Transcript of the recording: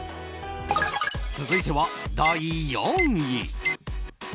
続いては、第４位。